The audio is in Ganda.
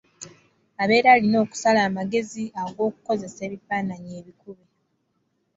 Abeera alina okusala amagezi ag’okukozesa ebifaananyi ebikube.